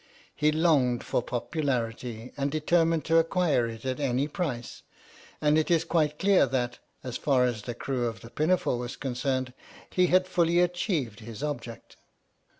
He longed for " popularity," and determined to acquire it at any price, and it is quite clear that, as far as the crew of the Pinafore was concerned, he had fully achieved his object.